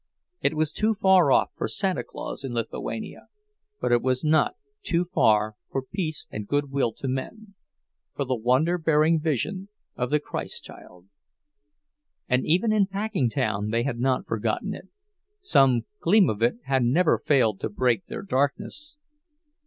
It was too far off for Santa Claus in Lithuania, but it was not too far for peace and good will to men, for the wonder bearing vision of the Christ Child. And even in Packingtown they had not forgotten it—some gleam of it had never failed to break their darkness.